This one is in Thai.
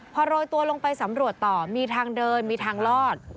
พอโรยตัวลงไปสำรวจต่อมีทางเดินมีทางลอด